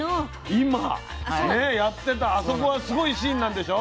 今やってたあそこはすごいシーンなんでしょ？